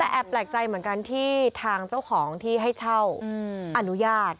แต่แอบแปลกใจเหมือนกันที่ทางเจ้าของที่ให้เช่าอนุญาต